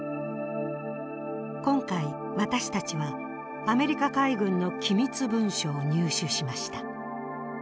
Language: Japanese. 今回私たちはアメリカ海軍の機密文書を入手しました。